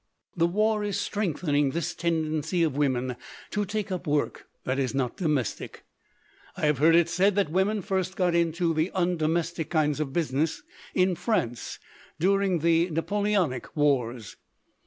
"The war is strengthening this tendency of women to take up work that is not domestic. I have heard it said that women first got into the undomestic kinds of business in France during the Napoleonic wars.